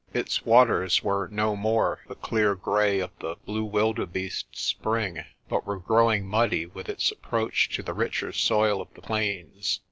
Its waters were no more the clear grey of the "Blue Wilde beeste's Spring," but were growing muddy with its approach to the richer soil of the plains.